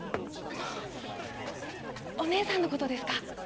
あのお姉さんの事ですか？